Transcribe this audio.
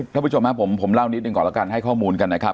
ท่านผู้ชมครับผมเล่านิดหนึ่งก่อนแล้วกันให้ข้อมูลกันนะครับ